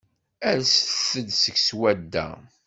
Alset-d seg swadda.